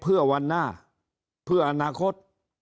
เพื่อวันหน้าเพื่ออนาคต